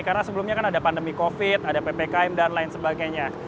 karena sebelumnya kan ada pandemi covid ada ppkm dan lain sebagainya